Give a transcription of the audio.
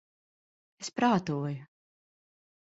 Es prātoju...